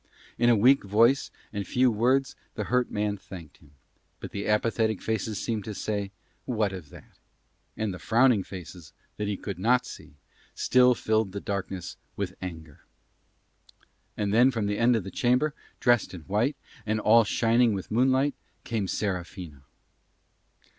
In a weak voice and few words the hurt man thanked him, but the apathetic faces seemed to say What of that? And the frowning faces that he could not see still filled the darkness with anger. And then from the end of the chamber, dressed in white, and all shining with moonlight, came Serafina.